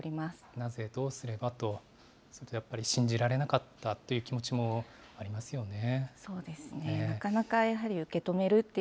なぜ、どうすればと、やっぱり信じられなかったという気持ちもありますよね。